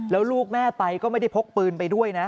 แล้วลูกแม่ไปก็ไม่ได้พกปืนไปด้วยนะ